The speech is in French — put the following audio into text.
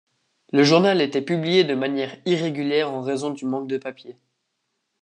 Le journal était publié de manière irrégulière en raison du manque de papier.